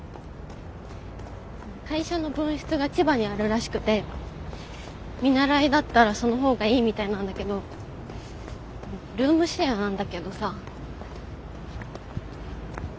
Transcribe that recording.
会社の分室が千葉にあるらしくて見習いだったらその方がいいみたいなんだけどルームシェアなんだけどさ。